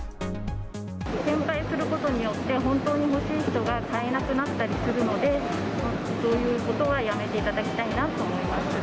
転売することによって、本当に欲しい人が買えなくなったりするので、そういうことはやめていただきたいなと思います。